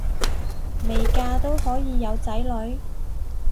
未嫁都可以有仔女